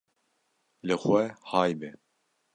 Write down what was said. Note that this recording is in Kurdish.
li xwe hay be